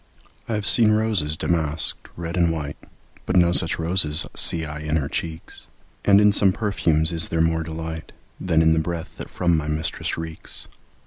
I have seen roses damask'd, red and white, But no such roses see I in her cheeks; And in some perfumes is there more delight Than in the breath that from my mistress reeks.